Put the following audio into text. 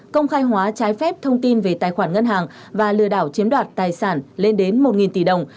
công khai hóa trái phép thông tin về tài khoản ngân hàng và lừa đảo chiếm đoạt tài sản lên đến một tỷ đồng